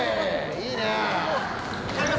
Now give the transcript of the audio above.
いいねぇ。